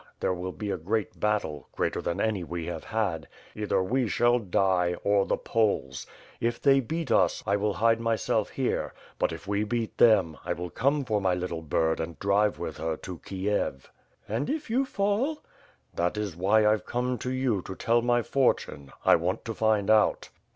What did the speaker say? There will be a great battle; greater than any we have had. Either we shall die, or the Poles. If they beat us, I will hide myself here; but if we beat them, I will come for my little bird and drive with her to Kiev." "And if you fall?" "That is why Pve come to you to tell my fortune. I want to find out."